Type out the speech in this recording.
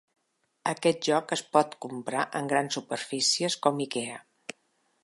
Aquest joc es pot comprar en grans superfícies com Ikea.